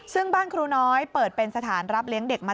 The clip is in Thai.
ซึ่งบ้านครูน้อยเปิดเป็นสถานรับเลี้ยงเด็กมา